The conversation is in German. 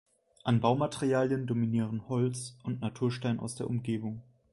An Baumaterialien dominieren Holz und Naturstein aus der Umgebung.